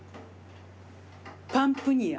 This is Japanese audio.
パンプニア。